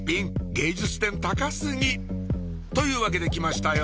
芸術点高過ぎというわけで来ましたよ